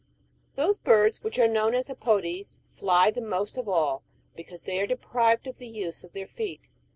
t A hose birds which are known as " apodes"^' fly the most of all, because they are deprived of the use of their feet.